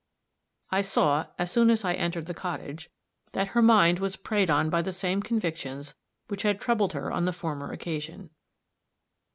I saw, as soon as I entered the cottage, that her mind was preyed on by the same convictions which had troubled her on the former occasion.